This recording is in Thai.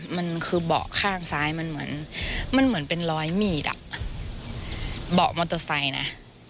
มันคือเบาะข้างซ้ายมันเหมือนมันเหมือนเป็นรอยมีดอ่ะเบาะมอเตอร์ไซค์นะ